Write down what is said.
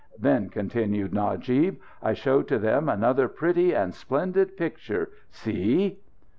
Then," continued Najib, "I showed to them another pretty and splendid picture. See!"